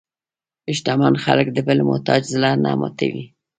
شتمن خلک د بل محتاج زړه نه ماتوي.